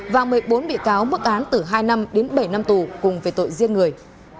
và một mươi bốn bị cáo mức án từ hai năm đến bảy năm tù cùng về tội giết người